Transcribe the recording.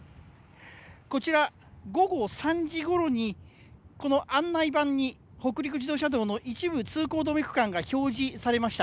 こちら、午後３時ごろに、この案内板に、北陸自動車道の一部通行止め区間が表示されました。